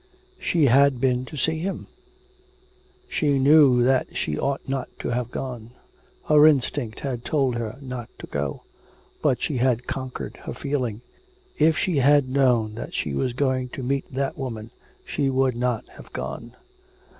She had been to see him! She knew that she ought not to have gone. Her instinct had told her not to go. But she had conquered her feeling. If she had known that she was going to meet that woman she would not have gone.